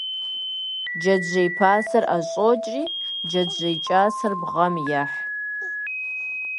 Джэджьей пасэр ӏэщӏокӏри, джэджьей кӏасэр бгъэм ехь.